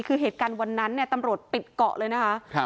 คือเหตุการณ์วันนั้นเนี่ยตำรวจปิดเกาะเลยนะคะ